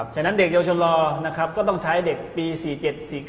ฉะนั้นเด็กเยาวชนรอนะครับก็ต้องใช้เด็กปี๔๗๔๙